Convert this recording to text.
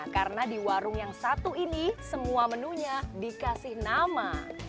karena di warung yang satu ini semua menunya dikasih nama